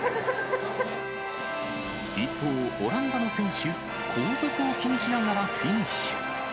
一方、オランダの選手、後続を気にしながらフィニッシュ。